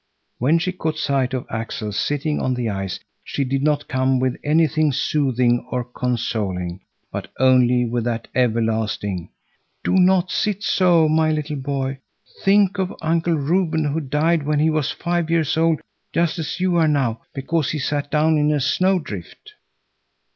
When she caught sight of Axel sitting on the ice, she did not come with anything soothing or consoling, but only with that everlasting: "Do not sit so, my little boy! Think of Uncle Reuben, who died when he was five years old, just as you are now, because he sat down in a snowdrift."